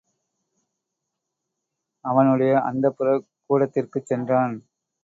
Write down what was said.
அவனுடைய அந்தப்புரக் கூடத்திற்குச் சென்றான்.